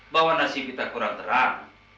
bahwa nasib kita kurang terang